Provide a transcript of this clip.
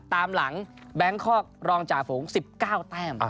ตามหลังแบงคอกรองจ่าฝูง๑๙แต้ม